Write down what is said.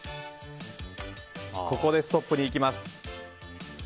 ここでストップにいきます。